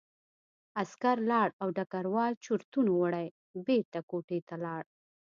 عسکر لاړ او ډګروال چورتونو وړی بېرته کوټې ته لاړ